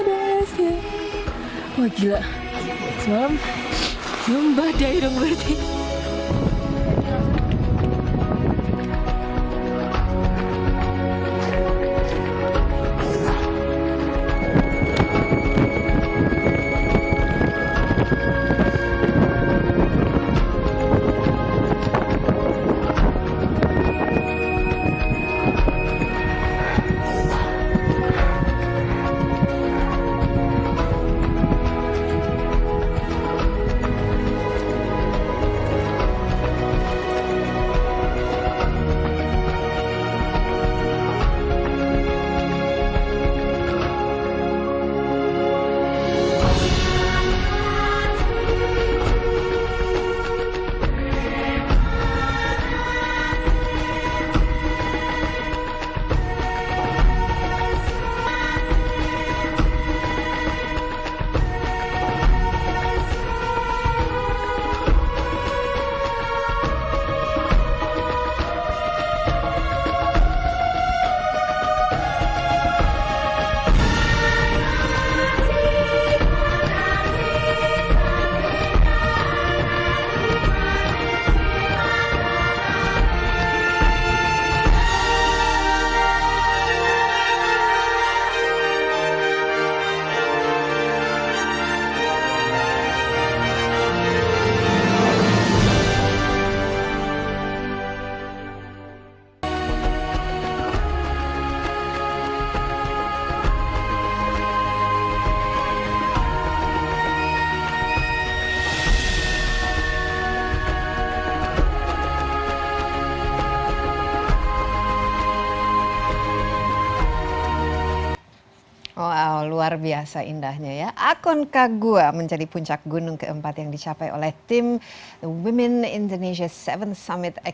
oh gila semalam lomba daerah berdiri